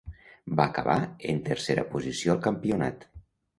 Va acabar en tercera posició al campionat.